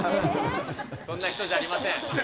そんな人じゃありません。